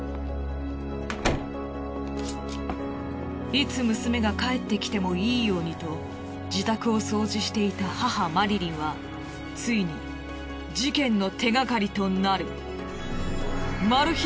いつ娘が帰ってきてもいいようにと自宅を掃除していた母マリリンはついに事件の手がかりとなるマル秘